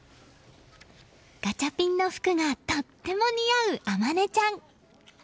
ガチャピンの服がとても似合う天希ちゃん。